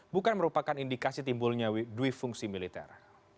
bukan merupakan indikasi timbulnya duifungsi militer